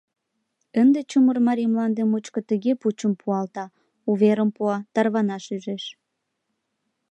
Ынде чумыр марий мланде мучко тыге пучым пуалта, уверым пуа, тарванаш ӱжеш...